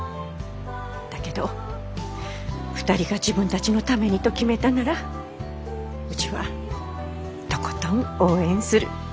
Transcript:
だけど２人が自分たちのためにと決めたならうちはとことん応援する。